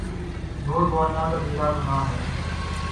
جھوٹ بولنا کبیرہ گناہ ہے